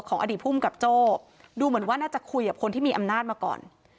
อดีตภูมิกับโจ้ดูเหมือนว่าน่าจะคุยกับคนที่มีอำนาจมาก่อน